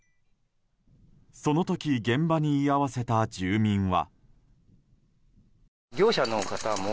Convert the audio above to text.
その時現場に居合わせた住民は。